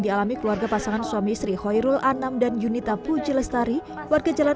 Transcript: dialami keluarga pasangan suami istri hoirul anam dan yunita puji lestari warga jalan